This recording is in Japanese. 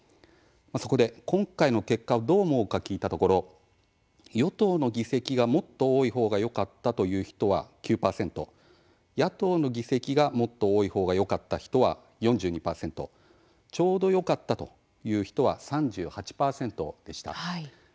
そこで今回の結果をどう思うか聞いたところ与党の議席がもっと多いほうがよかったという人は９％野党の議席がもっと多いほうがよかった人は４２％ちょうどよかったという人は３８％でした。